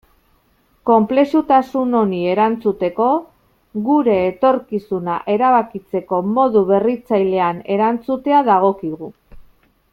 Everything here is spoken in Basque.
Konplexutasun honi erantzuteko, gure etorkizuna erabakitzeko modu berritzailean erantzutea dagokigu.